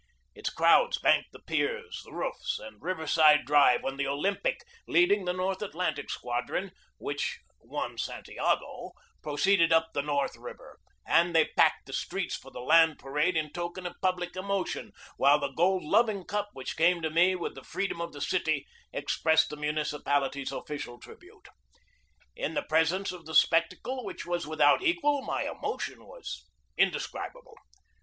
Its crowds banked the piers, the roofs, and Riverside Drive when the Olympia, leading the North Atlantic Squadron, which won Santiago, proceeded up the North River; and they packed the streets for the land parade in token of public emotion, while the gold loving cup which came to me with the free dom of the city expressed the municipality's official tribute. In the presence of the spectacle, which was without equal, my emotion was indescribable.